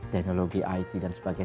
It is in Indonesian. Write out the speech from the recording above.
teknologi it dan sebagainya